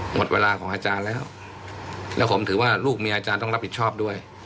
หมดเวลาของอาจารย์แล้วแล้วผมถือว่าลูกเมียอาจารย์ต้องรับผิดชอบด้วย